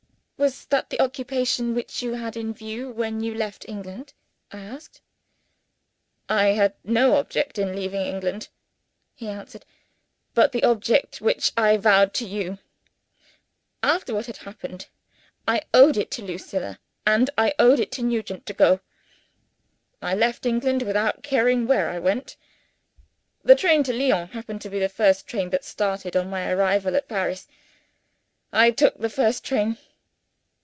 "Was that the occupation which you had in view when you left England?" I asked. "I had no object in leaving England," he answered, "but the object which I avowed to you. After what had happened, I owed it to Lucilla and I owed it to Nugent to go. I left England without caring where I went. The train to Lyons happened to be the first train that started on my arrival at Paris. I took the first train.